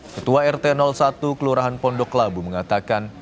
ketua rt satu kelurahan pondok labu mengatakan